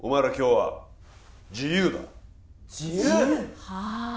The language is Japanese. はあ？